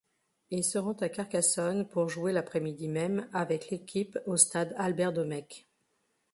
Il se rend à Carcassonne pour jouer l'après-midi même avec l'équipe au stade Albert-Domec.